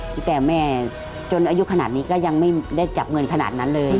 ตั้งแต่แม่จนอายุขนาดนี้ก็ยังไม่ได้จับเงินขนาดนั้นเลย